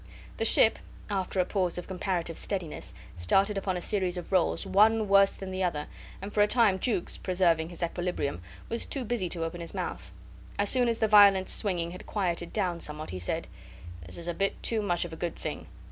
The ship, after a pause of comparative steadiness, started upon a series of rolls, one worse than the other, and for a time Jukes, preserving his equilibrium, was too busy to open his mouth. As soon as the violent swinging had quieted down somewhat, he said: "This is a bit too much of a good thing.